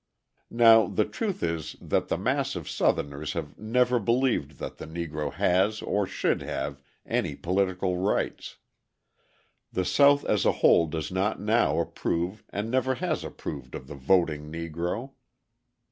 Now, the truth is that the mass of Southerners have never believed that the Negro has or should have any political rights. The South as a whole does not now approve and never has approved of the voting Negro.